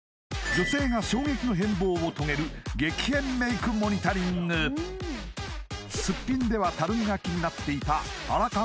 女性が衝撃の変貌を遂げる激変メイクモニタリングスッピンではたるみが気になっていたアラ還